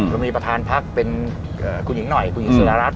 เรามีประธานพักเป็นคุณหญิงหน่อยคุณหญิงสุดารัฐ